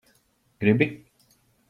Gribi?